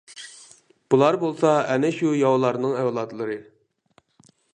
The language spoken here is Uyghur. بۇلار بولسا ئەنە شۇ ياۋلارنىڭ ئەۋلادلىرى.